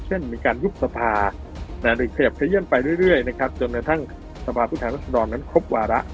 เช่นมีการยุบสภาหรือขยับขยื่นไปเรื่อยนะครับจนกระทั่งสภาพผู้แทนรัศดรนั้นครบวาระ